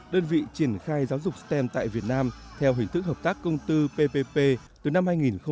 đơn vị triển khai giáo dục stem tại việt nam theo hình thức hợp tác công tư ppp từ năm hai nghìn một mươi